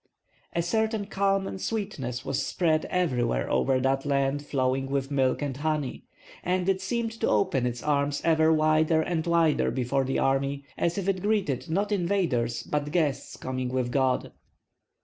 A certain calm and sweetness was spread everywhere over that land flowing with milk and honey, and it seemed to open its arms ever wider and wider before the army, as if it greeted not invaders but guests coming with God.